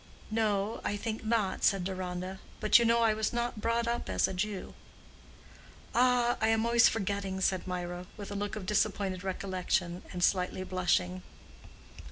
"No, I think not," said Deronda; "but you know I was not brought up as a Jew." "Ah, I am always forgetting," said Mirah, with a look of disappointed recollection, and slightly blushing.